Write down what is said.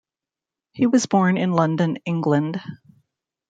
He was born in London, England.